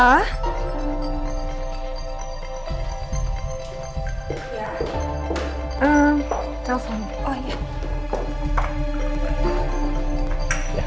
ya kasih sayang